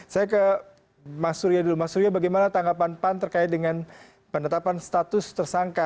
saya ke mas surya dulu mas surya bagaimana tanggapan pan terkait dengan penetapan status tersangka